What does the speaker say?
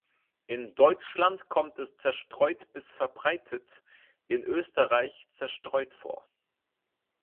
In Deutschland kommt es zerstreut bis verbreitet, in Österreich zerstreut vor.